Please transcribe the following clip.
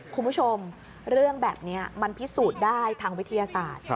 คุณผู้ชมเรื่องแบบนี้มันพิสูจน์ได้ทางวิทยาศาสตร์